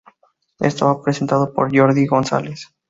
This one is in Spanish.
Estaba presentado por Jordi González.